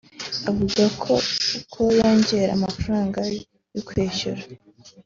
Avuga ko uko yoherezaga amafaranga yo kwishyura